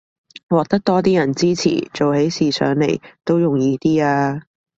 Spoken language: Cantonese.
獲得多啲人支持，做起事上來都容易啲吖